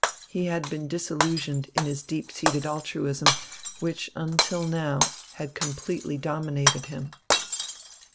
He had been disillusioned in his deep seated altruism, which until now had completely dominated him.